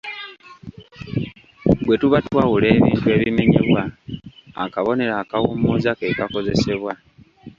Bwe tuba twawula ebintu ebimenyebwa, akabonero akawummuza ke kakozesebwa.